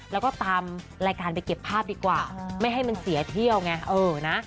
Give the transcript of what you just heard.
แล้วก็ตามรายการไปเก็บภาพดีกว่าไม่ให้มันเสียเที่ยวไงเออนะ